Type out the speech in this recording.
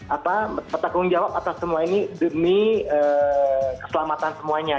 atau takung jawab atas semua ini demi keselamatan semuanya